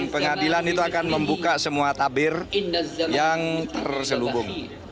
pengadilan itu akan membuka semua tabir yang terselubung